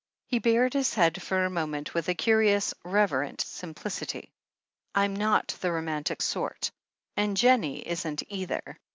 He bared his head for a moment with a curious, reverent simplicity. "I'm not the romantic sort, and Jennie isn't either.